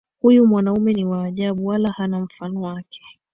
Huyu mwanaume ni wa ajabu wala hana mfano wake.